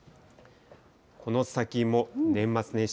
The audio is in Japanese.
この先も年末年始。